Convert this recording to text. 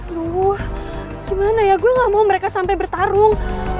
luhuh gimana ya gue gak mau mereka sampai bertarung